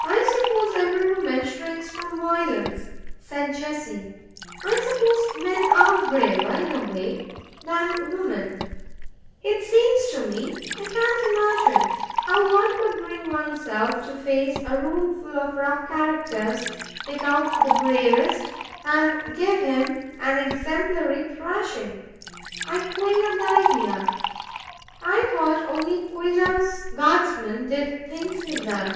"I suppose every woman shrinks from violence," said Jessie. "I suppose men ARE braver in a way than women. It seems to me I can't imagine how one could bring oneself to face a roomful of rough characters, pick out the bravest, and give him an exemplary thrashing. I quail at the idea. I thought only Ouida's guardsmen did things like that."